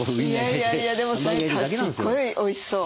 いやいやいやでもすっごいおいしそう。